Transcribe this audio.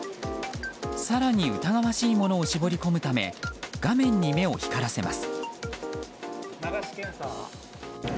更に疑わしいものを絞り込むため画面に目を光らせます。